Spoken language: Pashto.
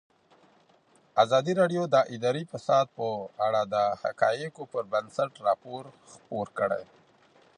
ازادي راډیو د اداري فساد په اړه د حقایقو پر بنسټ راپور خپور کړی.